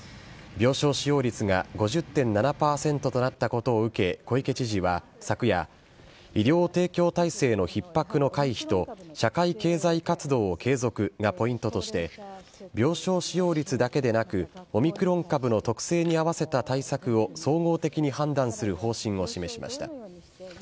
病床使用率が５０．７％となったことを受け、小池知事は昨夜、医療提供体制のひっ迫の回避と、社会経済活動を継続がポイントとして、病床使用率だけでなく、オミクロン株の特性に合わせた対策を総合的に判断する方針を示しました。